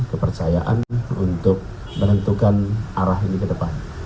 kepercayaan untuk menentukan arah ini ke depan